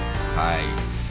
はい。